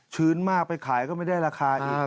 มากไปขายก็ไม่ได้ราคาอีก